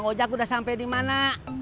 bang ojak udah sampai di mana